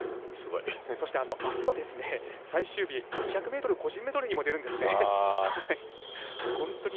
そしてあすは最終日２００ｍ個人メドレーにもスーパースターですね。